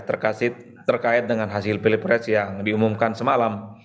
terkait dengan hasil pilpres yang diumumkan semalam